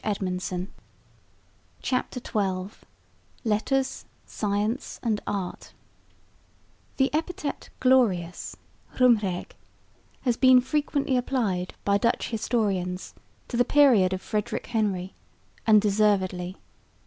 CHAPTER XII LETTERS, SCIENCE AND ART The epithet "glorious" roemrijke has been frequently applied by Dutch historians to the period of Frederick Henry and deservedly.